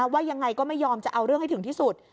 ว่ายังไงก็ไม่ยอมจะเอาเรื่องให้ถึงที่สุด